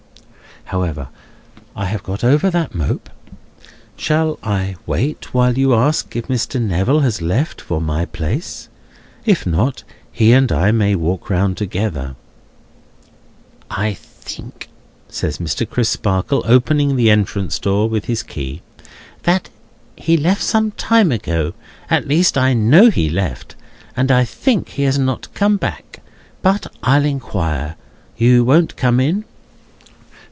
However, I have got over that mope. Shall I wait, while you ask if Mr. Neville has left for my place? If not, he and I may walk round together." "I think," says Mr. Crisparkle, opening the entrance door with his key, "that he left some time ago; at least I know he left, and I think he has not come back. But I'll inquire. You won't come in?"